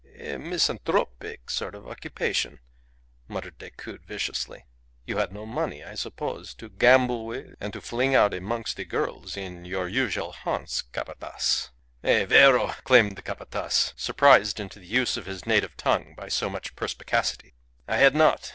"A misanthropic sort of occupation," muttered Decoud, viciously. "You had no money, I suppose, to gamble with, and to fling about amongst the girls in your usual haunts, Capataz." "E vero!" exclaimed the Capataz, surprised into the use of his native tongue by so much perspicacity. "I had not!